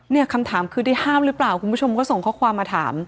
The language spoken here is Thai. คำถามคือได้ห้ามหรือเปล่าคุณผู้ชมก็ส่งข้อความมาถาม